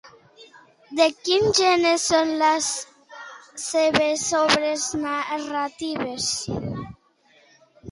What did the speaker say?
De quin gènere són les seves obres narratives?